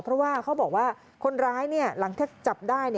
เพราะว่าเขาบอกว่าคนร้ายหลังถ้าจับได้